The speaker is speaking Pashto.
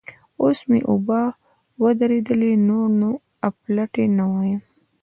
اوس مې اوبه ودرېدلې؛ نور نو اپلاتي نه وایم.